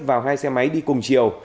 vào hai xe máy đi cùng chiều